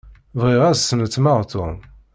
Bɣiɣ ad snetmeɣ Tom.